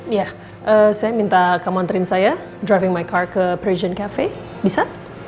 iya saya minta kemonterin saya driving my car ke parisian cafe bisa